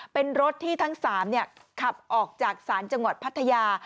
เป็นรถที่ทั้ง๓ขับออกจากศาลจังหวัดพัทยา